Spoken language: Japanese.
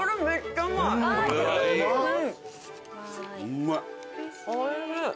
うまい！